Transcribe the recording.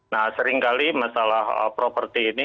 nah seringkali masalah properti ini